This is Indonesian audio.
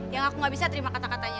yang aku gak bisa terima kata katanya